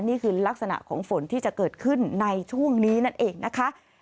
นี่คือลักษณะของฝนที่จะเกิดขึ้นในช่วงนี้นั่นเองนะคะ